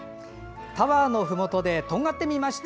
タワーのふもとでとんがってみました！